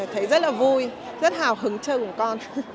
thấy rất là vui rất hào hứng chơi cùng con